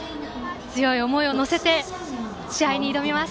強い思いを乗せて試合に臨みます。